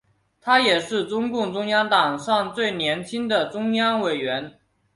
他也是中共党史上最年轻的中央委员。